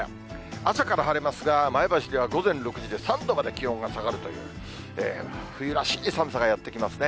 朝から晴れますが、前橋では午前６時で３度まで気温が下がるという、冬らしい寒さがやって来ますね。